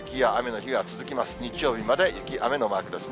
日曜日まで雪、雨のマークですね。